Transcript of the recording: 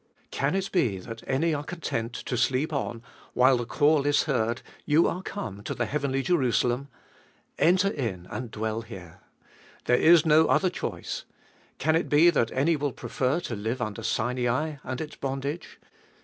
Can it be, that any are content to sleep on, while the call is heard : You are come to the heavenly Jerusalem — enter in and dwell here. There is no other choice — can it be that any will prefer to live under Sinai and its bondage